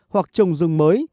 hoặc trồng rừng mới